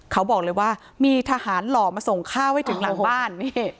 เขาบอกเลยว่ามีทหารหล่อมาส่งข้าวให้ถึงหลังบ้าน